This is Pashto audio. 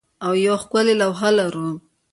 او یوه ښکلې لوحه لرو